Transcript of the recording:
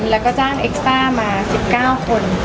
แล้วก็เจ้าเอ็กซ์ต้า๒๐๑๕มาซิบเก้าคน